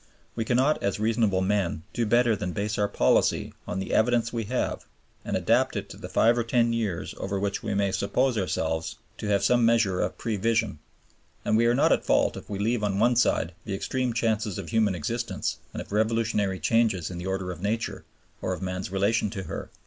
We cannot as reasonable men do better than base our policy on the evidence we have and adapt it to the five or ten years over which we may suppose ourselves to have some measure of prevision; and we are not at fault if we leave on one side the extreme chances of human existence and of revolutionary changes in the order of Nature or of man's relations to her.